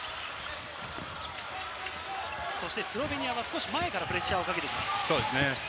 そしてスロベニアは少し前からプレッシャーをかけてきます。